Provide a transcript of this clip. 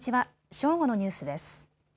正午のニュースです。